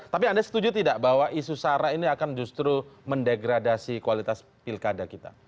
tapi anda setuju tidak bahwa isu sara ini akan justru mendegradasi kualitas pilkada kita